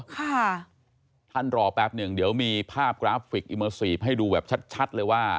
ท่านรอแป๊บหนึ่งเดี๋ยวมีภาพกราฟิกอิเมอร์ซีฟให้ดูแบบชัดชัดเลยว่า